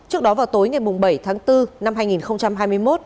trước đó vào tối ngày bảy tháng bốn năm hai nghìn hai mươi một